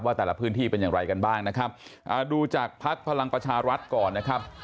แต่ละพื้นที่เป็นอย่างไรกันบ้างนะครับอ่าดูจากภักดิ์พลังประชารัฐก่อนนะครับ